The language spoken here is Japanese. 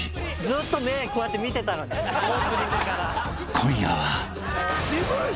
［今夜は］